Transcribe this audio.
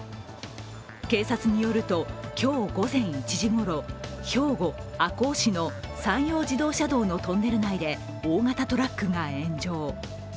警察によると、今日午前１時ごろ、兵庫・赤穂市の山陽自動車道のトンネル内で大型トラックが炎上。